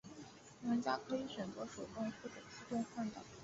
玩家可以选择手动或者自动换挡。